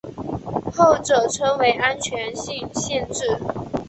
后者称为安全性限制。